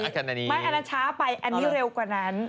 ไม่อันนั้นช้าไปอันนี้เร็วกว่านั้น